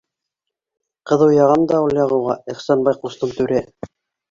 Ҡыҙыу яғам да ул яғыуға, Ихсанбай ҡустым-түрә.